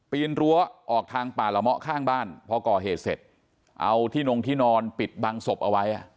นรั้วออกทางป่าละเมาะข้างบ้านพอก่อเหตุเสร็จเอาที่นงที่นอนปิดบังศพเอาไว้